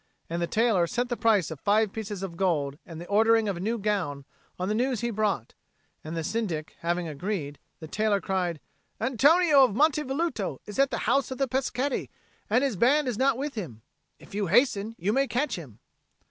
And the tailor set the price of five pieces of gold and the ordering of a new gown on the news he brought; and the Syndic having agreed, the tailor cried, "Antonio of Monte Velluto is at the house of the Peschetti, and his band is not with him. If you hasten, you may catch him."